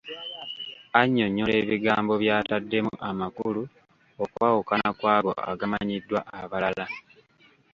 Annyonnyola ebigambo by’ataddemu amakulu okwawukana ku ago agamanyiddwa abalala.